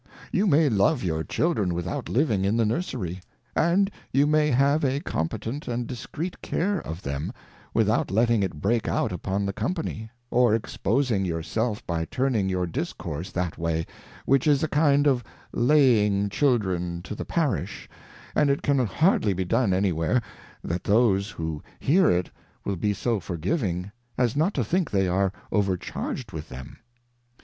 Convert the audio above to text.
You may love your Children without living in the Nuersery, and you may have a competent and discreet care bl th&m, without letthig it break out upon the Company, or exposing your self by turning your Discourse that way, which is a kind of Laying Children to the Parish, and it can hardly be done any where, that those who hear it will be so forgiving, as not to think they are overcharged with them.